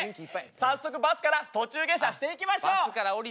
早速バスから途中下車していきましょう。